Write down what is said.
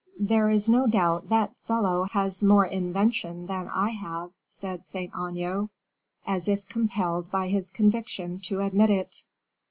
"There is no doubt that fellow has more invention than I have," said Saint Aignan, as if compelled by his conviction to admit it.